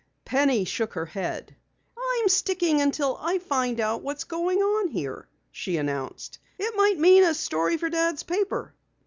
Penny shook her head. "I'm sticking until I find out what's going on here," she announced. "It might mean a story for Dad's paper!"